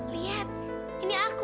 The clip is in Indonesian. lihat ini aku